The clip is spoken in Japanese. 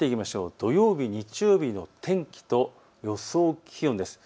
土曜日、日曜日の天気と予想気温です。